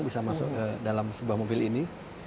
bisa masuk ke dalam sebuah mobil ini